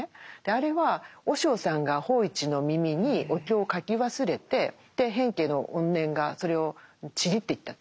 あれは和尚さんが芳一の耳にお経を書き忘れて平家の怨念がそれをちぎっていったと。